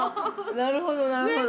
◆なるほど、なるほど。